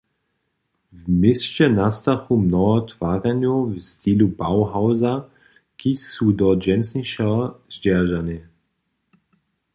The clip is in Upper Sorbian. W měsće nastachu mnoho twarjenjow w stilu Bauhausa, kiž su do dźensnišeho zdźeržane.